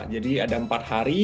jadi ada empat hari